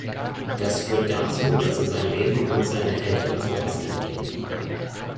Das führt dazu, dass er sein Leben und seine Eltern zu hassen beginnt.